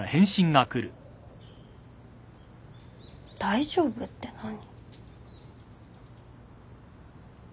「大丈夫」って何？